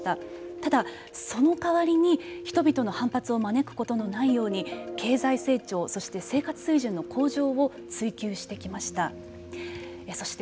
ただ、そのかわりに人々の反発を招くことのないように経済成長そして生活水準の向上を追求してきました。